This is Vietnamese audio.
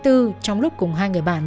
trong lúc cùng hai người bạn